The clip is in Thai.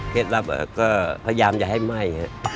ลับก็พยายามจะให้ไหม้